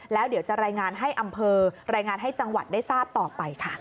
แล้วเดี๋ยวจะรายงานให้อำเภอรายงานให้จังหวัดได้ทราบต่อไปค่ะ